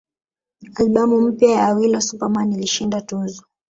Albamu mpya ya Awilo Super Man ilishinda tuzo